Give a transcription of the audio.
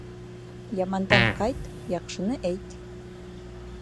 Ямандан ҡайт, яҡшыны әйт.